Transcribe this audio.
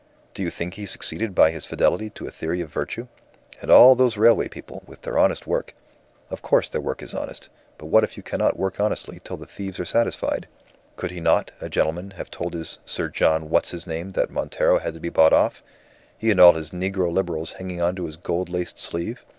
Do you think he succeeded by his fidelity to a theory of virtue? And all those railway people, with their honest work! Of course, their work is honest! But what if you cannot work honestly till the thieves are satisfied? Could he not, a gentleman, have told this Sir John what's his name that Montero had to be bought off he and all his Negro Liberals hanging on to his gold laced sleeve?